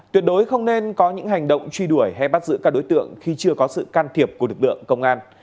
tuyệt đối không nên có những hành động truy đuổi hay bắt giữ các đối tượng khi chưa có sự can thiệp của lực lượng công an